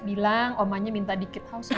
bilang omanya minta di kit house